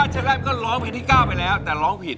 เชล่มก็ร้องเพลงที่๙ไปแล้วแต่ร้องผิด